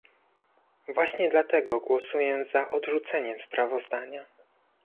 Właśnie dlatego głosuję za odrzuceniem sprawozdania